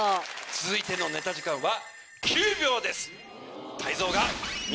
続いてのネタ時間は。